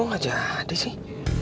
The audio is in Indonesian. kok gak jadi sih